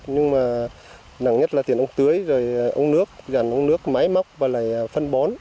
nhưng mà nặng nhất là tiền ống tưới rồi ống nước giàn ông nước máy móc và lại phân bón